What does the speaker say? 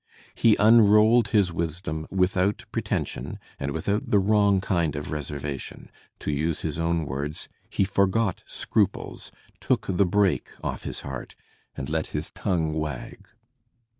He unrolled his wisdom without pretension, and without the wrong kind of reservation; to use his own words, he forgot scruples, took the brake off his heart, and let his tongue wag.